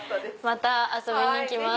また遊びに来ます。